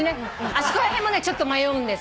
あそこら辺もねちょっと迷うんですよ。